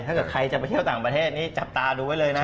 ถ้าเกิดใครจะไปเที่ยวต่างประเทศนี่จับตาดูไว้เลยนะ